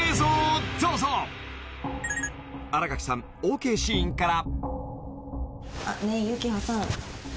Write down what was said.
［新垣さんＯＫシーンから］